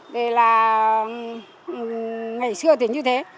để là ngày xưa thì như thế